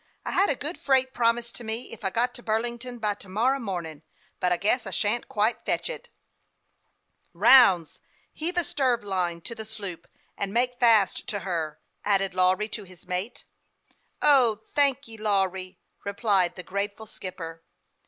I had a good freight promised to me if I got to Burlington by to morrow mornin', but I guess I shan't quite fetch it." 306 HASTE AND WASTE, OR " Rounds, heave a stern line to the sloop, and make fast to her," added Lawry to his mate. " O, thank ye, Lawry," replied the grateful skipper.